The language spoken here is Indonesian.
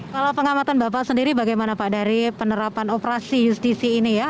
kalau pengamatan bapak sendiri bagaimana pak dari penerapan operasi justisi ini ya